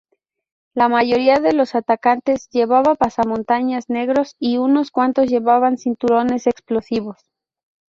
La mayoría de los atacantes llevaba pasamontañas negros y unos cuantos llevaban cinturones explosivos.